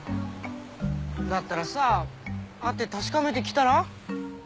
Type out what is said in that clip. だったらさ会って確かめてきたら？